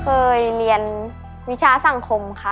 เคยเรียนวิชาสังคมค่ะ